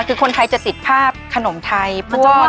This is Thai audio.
คือคนไทยจะติดภาพขนมไทย